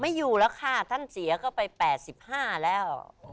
ไม่อยู่แล้วค่ะท่านเสียเข้าไป๘๕แล้ว